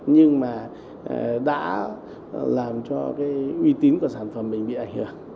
nhưng mà đã làm cho cái uy tín của sản phẩm mình bị ảnh hưởng